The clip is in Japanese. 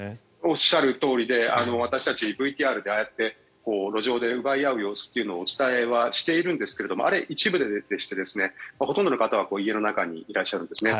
おっしゃるとおりで私たちＶＴＲでああやって路上で奪い合う様子をお伝えはしているんですがあれは一部で、ほとんどの方は家の中にいらっしゃるんですね。